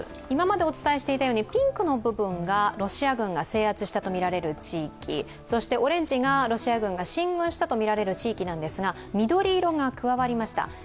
今までお伝えしていたようにピンクの部分がロシア軍が制圧したとみられる地域オレンジがロシア軍が進軍したとみられる地域なんですが緑色が加わりました。